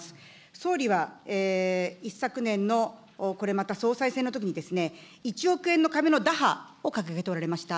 総理は、一昨年のこれまた総裁選のときに１億円の壁の打破を掲げておられました。